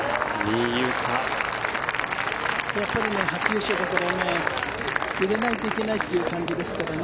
やっぱり初優勝だから入れないといけないという感じですからね。